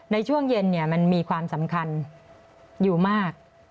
ในช่วงเย็นมันมีความสำคัญอยู่มาก